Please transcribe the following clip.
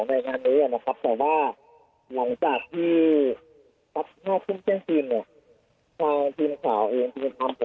ตะเกิดวางค์ของหน่วยงานนี้นะครับ